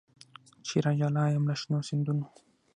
چي راجلا یم له شنو سیندونو